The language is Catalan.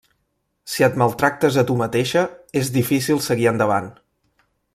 Si et maltractes a tu mateixa, és difícil seguir endavant.